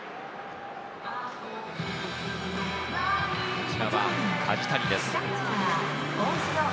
こちらは梶谷です。